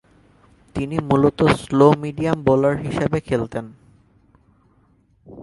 তিনি মূলতঃ slow medium bowler হিসেবে খেলতেন।